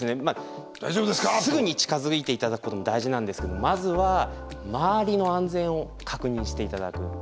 まあすぐに近づいて頂くことも大事なんですけどまずは周りの安全を確認して頂く。